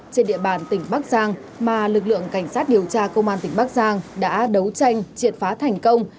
trên địa bàn tỉnh bắc giang mà lực lượng cảnh sát điều tra công an tỉnh bắc giang đã đấu tranh triệt phá thành công